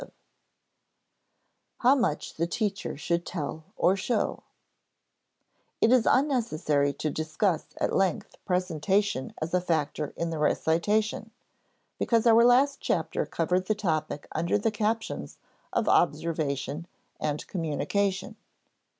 [Sidenote: How much the teacher should tell or show] It is unnecessary to discuss at length presentation as a factor in the recitation, because our last chapter covered the topic under the captions of observation and communication.